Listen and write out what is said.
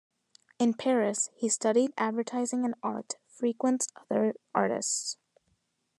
In Paris, he studied advertising and art, frequents other artists.